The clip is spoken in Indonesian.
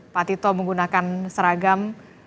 pak tito menggunakan seragam